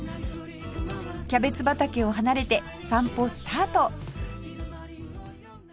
キャベツ畑を離れて散歩スタート